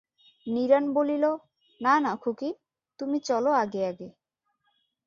নীরেন বলিল, না না খুকি, তুমি চল আগে আগে।